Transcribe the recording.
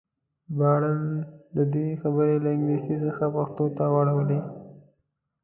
ژباړن د دوی خبرې له انګلیسي څخه پښتو ته واړولې.